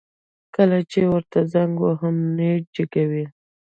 کله چي ورته زنګ وهم نه يي جګوي